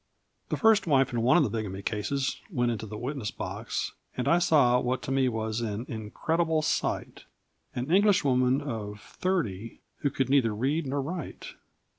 The first wife in one of the bigamy cases went into the witness box, and I saw what to me was an incredible sight an Englishwoman of thirty who could neither read nor write.